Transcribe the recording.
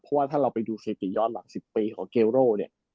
เพราะว่าถ้าเราไปดูสถิติย้อนหลัง๑๐ปีของเกลโร่เนี่ย